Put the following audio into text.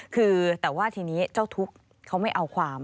คือแต่ว่าทีนี้เจ้าทุกข์เขาไม่เอาความ